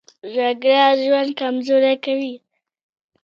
جګړه ژوند کمزوری کوي